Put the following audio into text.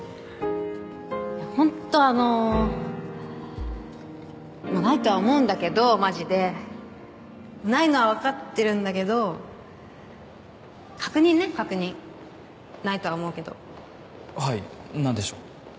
本当あのまあないとは思うんだけどマジでないのはわかってるんだけど確認ね確認ないとは思うけどはいなんでしょう？